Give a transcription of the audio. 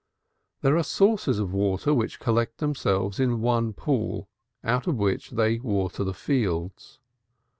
There are sources of water which collect themselves in one pool, out of which they water the fields.